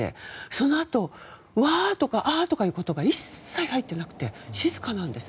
そのあと、わーとかあーとか言葉が一切入ってなくて静かなんです。